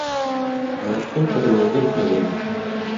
Мараттың ҡыҙыулығы бөтмәгәйне.